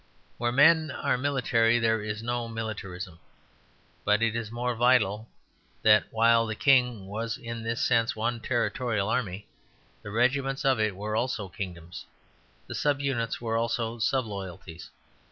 Where men are military there is no militarism. But it is more vital that while the kingdom was in this sense one territorial army, the regiments of it were also kingdoms. The sub units were also sub loyalties.